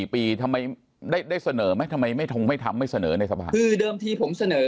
๔ปีทำไมได้เสนอทำไมไม่ทำไม่เสนอคือเดิมที่ผมเสนอ